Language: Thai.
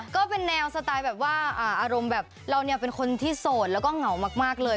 ก็เป็นแนวสไตล์แบบว่าอารมณ์แบบเราเนี่ยเป็นคนที่โสดแล้วก็เหงามากเลย